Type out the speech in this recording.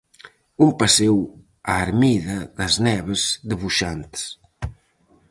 Un paseo á ermida das neves de Buxantes.